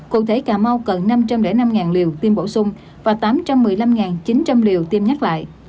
cụ thể cà mau cần năm trăm linh năm liều tiêm bổ sung và tám trăm một mươi năm chín trăm linh liều tiêm nhắc lại